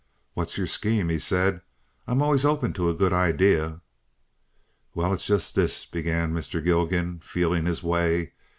"What's your scheme?" he said. "I'm always open to a good idea." "Well, it's just this," began Mr. Gilgan, feeling his way.